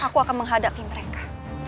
aku akan menghadapi mereka